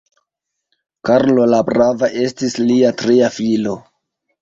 Karlo la Brava estis lia tria filo.